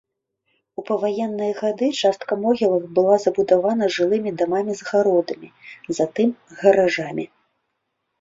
У паваенныя гады частка могілак была забудавана жылымі дамамі з гародамі, затым гаражамі.